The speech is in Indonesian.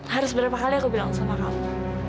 harus berapa kali aku bilang sama kamu